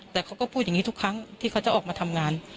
แต่เขาก็พูดอย่างนี้ทุกครั้งที่เขาจะออกมาทำงาน